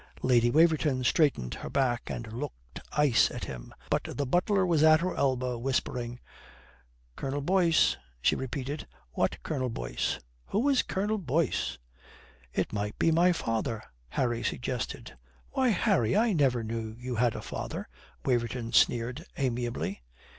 Lady Waverton straightened her back and looked ice at him. But the butler was at her elbow, whispering. "Colonel Boyce?" she repeated. "What Colonel Boyce? Who is Colonel Boyce? "It might be my father," Harry suggested. "Why, Harry, I never knew you had a father," Waverton sneered amiably.